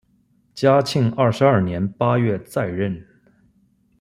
嘉庆二十二年八月再任。